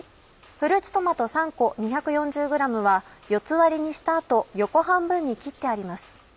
フルーツトマト３個２４０ｇは４つ割りにした後横半分に切ってあります。